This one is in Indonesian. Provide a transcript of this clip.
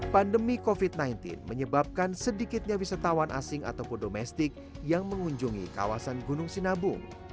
pandemi covid sembilan belas menyebabkan sedikitnya wisatawan asing ataupun domestik yang mengunjungi kawasan gunung sinabung